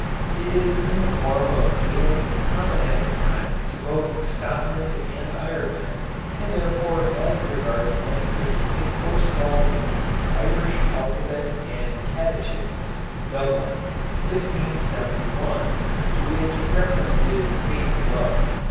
It is in the form of Gaelic common at that time to both Scotland and Ireland, and therefore as regards language it forestalls the Irish Alphabet and Catechism, Dublin, 1571, to which reference is made below.